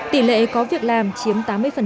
tỷ lệ có việc làm chiếm tám mươi